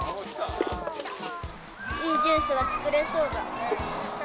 いいジュースが作れそうだ。